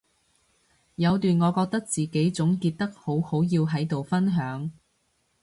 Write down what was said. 有段我覺得自己總結得好好要喺度分享